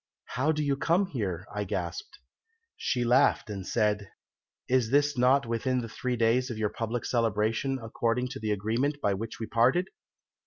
'How do you come here?' I gasped. "She laughed and said, 'Is this not within the three days of your public celebration, and according to the agreement by which we parted?'